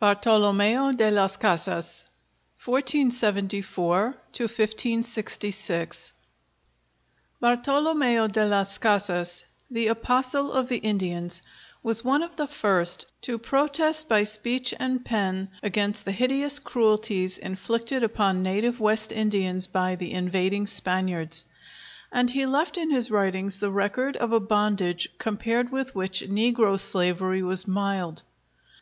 BARTOLOMEO DE LAS CASAS (1474 1566) [Illustration: BARTOLOMEO DE LAS CASAS] Bartolomeo de las Casas, the Apostle of the Indians, was one of the first to protest by speech and pen against the hideous cruelties inflicted upon native West Indians by the invading Spaniards; and he left in his writings the record of a bondage compared with which negro slavery was mild.